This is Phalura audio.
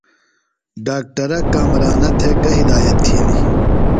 ڈاکٹرہ کامرانہ تھےۡ گہ ہدایت تِھیلیۡ؟